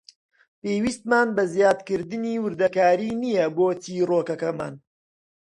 پێویستمان بە زیادکردنی وردەکاری نییە بۆ چیرۆکەکەمان.